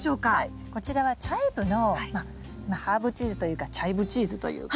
こちらはチャイブのハーブチーズというかチャイブチーズというか。